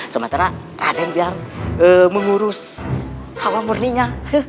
sementara raden mengurus halamurninya